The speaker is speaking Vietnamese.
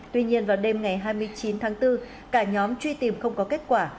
tuy nhiên vào đêm ngày hai mươi chín tháng bốn cả nhóm truy tìm không có kết quả